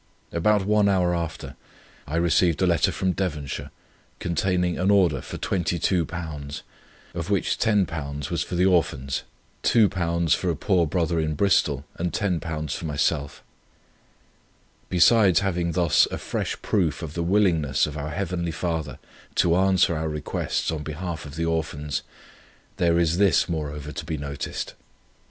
"About one hour after, I received a letter from Devonshire, containing an order for £22 of which £10 was for the Orphans, £2 for a poor brother in Bristol, and £10 for myself. Besides having thus a fresh proof of the willingness of our Heavenly Father to answer our requests on behalf of the Orphans, there is this, moreover, to be noticed.